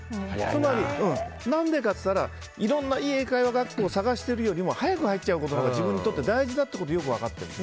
つまり何でかって言ったらいろんないい英会話があって学校を探しているよりも早く入っちゃうことが自分にとって大事だってことがよく分かってる。